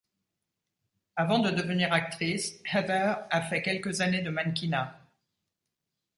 Avant de devenir actrice, Heather a fait quelques années de mannequinat.